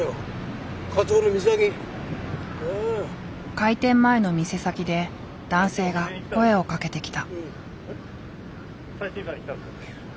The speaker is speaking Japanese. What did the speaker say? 開店前の店先で男性が声をかけてきた。